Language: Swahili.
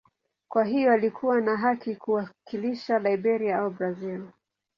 Kwa hiyo alikuwa na haki ya kuwakilisha Liberia au Brazil.